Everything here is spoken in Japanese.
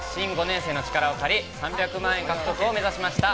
ＩＮＩが新５年生の力を借り、３００万円獲得を目指しました。